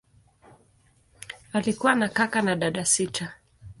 Alikuwa na kaka na dada sita.